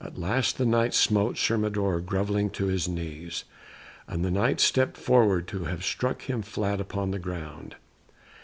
At last the Knight smote Sir Mador grovelling to his knees, and the Knight stepped forward to have struck him flat upon the ground.